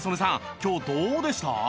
今日どうでした？